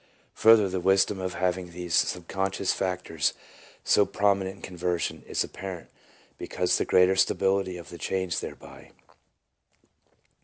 Further, the wisdom of having these sub conscious factors so prominent in conversion is apparent, because of the greater stability of the change thereby.